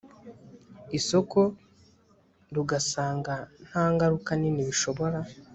isoko rugasanga nta ngaruka nini bishobora